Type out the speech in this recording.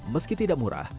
meski tidak murah